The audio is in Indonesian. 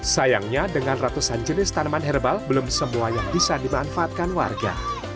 sayangnya dengan ratusan jenis tanaman herbal belum semua yang bisa dimanfaatkan warga